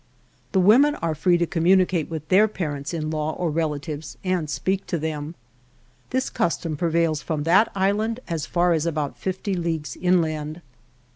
The women are free to communicate with their parents in law or relatives and speak to them. This custom prevails from that island as far as about fifty leagues inland.